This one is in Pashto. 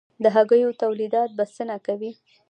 د هګیو تولیدات بسنه کوي؟